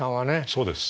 そうです。